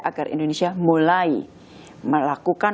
agar indonesia mulai melakukan